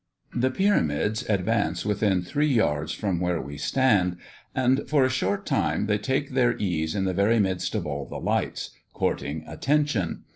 The pyramids advance within three yards from where we stand, and, for a short time, they take their ease in the very midst of all the lights, courting attention.